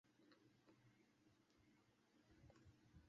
把蚂蚁拨掉